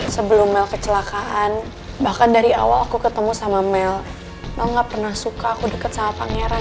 sebelum mel kecelakaan bahkan dari awal aku ketemu sama mel kamu gak pernah suka aku dekat sama pangeran